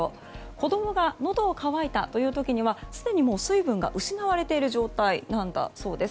子供がのどが渇いたと言う時はすでに水分が失われている状態なんだそうです。